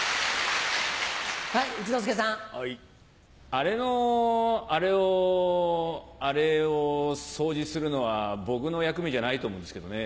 アレのアレをアレを掃除するのは僕の役目じゃないと思うんですけどね。